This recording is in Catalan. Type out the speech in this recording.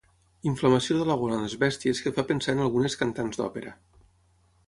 Inflamació de la gola en les bèsties que fa pensar en algunes cantants d'òpera.